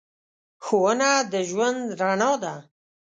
ښوونه د ژوند رڼا ده.